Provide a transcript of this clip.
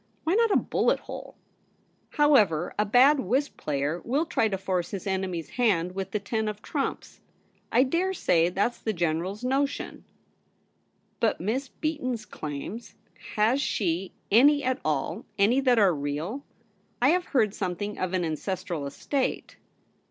Why not a bullet hole ? However, a bad whist player will try to force his enemy's hand with the ten of trumps. . I dare say that's the General's notion.' * But Miss Beaton's claims ? Has she any at all — any that are real ? I have heard something of an ancestral estate.'